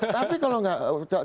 tapi kalau nggak